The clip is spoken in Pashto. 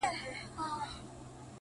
گرا ني خبري سوې پرې نه پوهېږم”